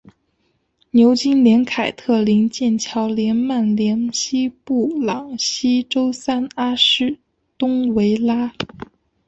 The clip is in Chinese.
牛津联凯特灵剑桥联曼联西布朗锡周三阿士东维拉